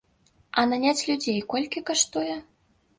А наняць людзей колькі каштуе?